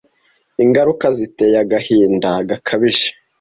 Ingaruka ziteye agahinda gakabije